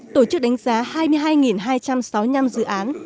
tổ chức đánh giá hai mươi hai hai trăm sáu mươi năm dự án